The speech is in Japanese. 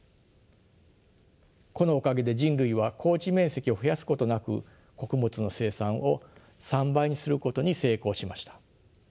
このおかげで人類は耕地面積を増やすことなく穀物の生産を３倍にすることに成功しました。